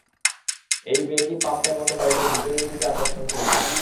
এই বেগই পাম্পের মত বায়ুকে ভিতরের দিকে আকর্ষণ করিতেছে।